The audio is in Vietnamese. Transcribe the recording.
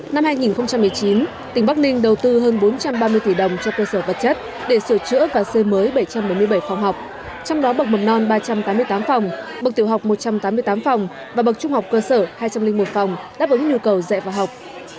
năm hai nghìn một mươi chín tỉnh bắc ninh đầu tư hơn bốn trăm ba mươi tỷ đồng cho cơ sở vật chất để sửa chữa và xây mới bảy trăm bốn mươi bảy phòng học trong đó bậc mầm non ba trăm tám mươi tám phòng bậc tiểu học một trăm tám mươi tám phòng và bậc trung học cơ sở hai trăm linh một phòng đáp ứng nhu cầu dạy và học